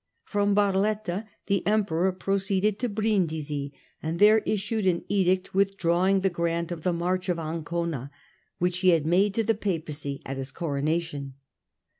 From Barletta the Emperor proceeded to Brindisi and there issued an edict withdrawing the grant of the March of Ancona which he had made to the Papacy at his Coronation.